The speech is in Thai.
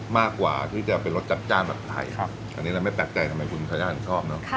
มากกว่าที่จะเป็นรสจัดจ้านแบบไทยอันนี้เราไม่แปลกใจทำไมคุณทาย่านชอบเนอะ